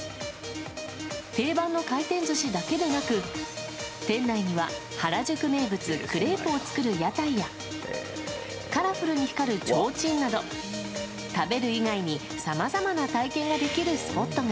定番の回転寿司だけでなく店内には原宿名物クレープを作る屋台やカラフルに光るちょうちんなど食べる以外に、さまざまな体験ができるスポットが。